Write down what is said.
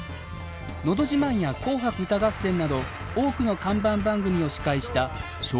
「のど自慢」や「紅白歌合戦」など多くの看板番組を司会した昭和のスターアナウンサーです。